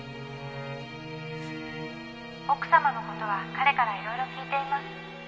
「奥様の事は彼から色々聞いています」